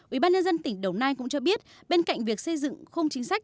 ủy ban nhân dân tỉnh đồng nai cũng cho biết bên cạnh việc xây dựng không chính sách